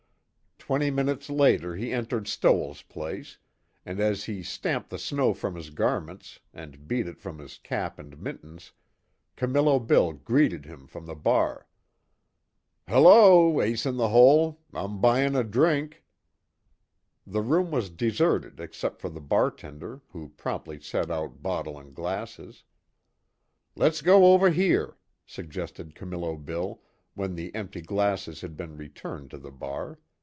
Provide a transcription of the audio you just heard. Twenty minutes later he entered Stoell's place, and as he stamped the snow from his garments, and beat it from his cap and mittens, Camillo Bill greeted him from the bar. "Hello, Ace In The Hole! I'm buyin' a drink." The room was deserted except for the bartender who promptly set out bottle and glasses. "Let's go over here," suggested Camillo Bill, when the empty glasses had been returned to the bar.